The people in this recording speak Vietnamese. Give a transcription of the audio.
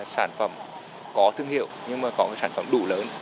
sản phẩm có thương hiệu nhưng mà có sản phẩm đủ lớn